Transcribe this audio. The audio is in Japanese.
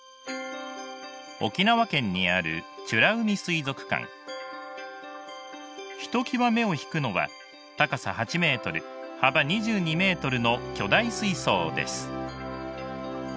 沖縄県にあるひときわ目を引くのは高さ８ｍ幅２２ｍの巨大水槽です。